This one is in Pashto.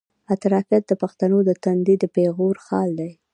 افراطيت د پښتنو د تندي د پېغور خال دی.